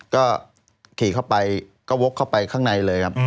ก็ขี่เข้าไปก็วกเข้าไปข้างในเลยครับ